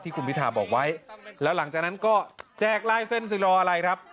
คุณพิทาบอกไว้แล้วหลังจากนั้นก็แจกลายเส้นสิรออะไรครับ